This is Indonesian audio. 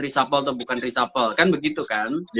reshuffle atau bukan reshuffle kan begitu kan